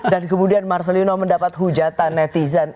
dan kemudian marcelino mendapat hujatan netizen